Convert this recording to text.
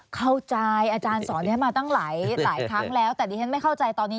อาจารย์สอนฉันมาตั้งหลายครั้งแล้วแต่ดิฉันไม่เข้าใจตอนนี้